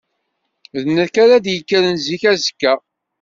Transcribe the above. D nekk ara d-yekkren zik azekka.